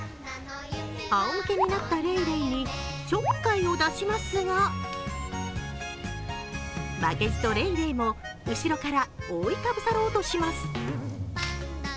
あおむけになったレイレイにちょっかいを出しますが、負けじとレイレイも後ろから覆い被さろうとします。